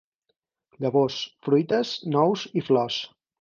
Llavors, fruites, nous i flors.